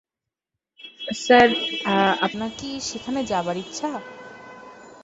Sir, আপনার কি সেখানে যাবার ইচ্ছা?